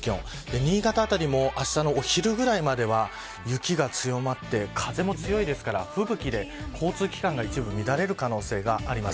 新潟辺りもあしたのお昼ぐらいまでは雪が強まって風も強いですから吹雪で交通機関が一部乱れる可能性があります。